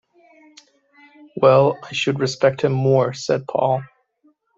“Well, I should respect him more,” said Paul.